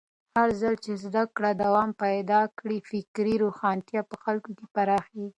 هرځل چې زده کړه دوام پیدا کړي، فکري روښانتیا په خلکو کې پراخېږي.